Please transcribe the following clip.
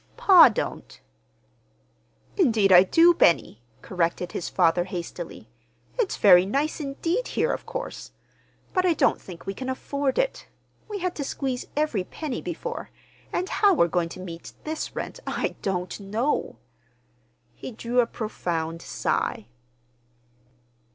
"Pa don't." "Indeed I do, Benny," corrected his father hastily. "It's very nice indeed here, of course. But I don't think we can afford it. We had to squeeze every penny before, and how we're going to meet this rent I don't know." He drew a profound sigh.